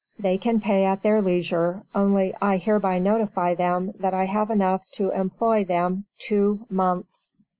They can pay at their leisure; only I hereby notify them that I have enough to employ them two months!"